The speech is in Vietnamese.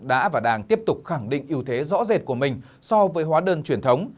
đã và đang tiếp tục khẳng định ưu thế rõ rệt của mình so với hóa đơn truyền thống